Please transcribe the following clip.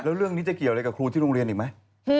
แล้วเรื่องนี้จะเกี่ยวอะไรกับครูที่โรงเรียนอีกไหม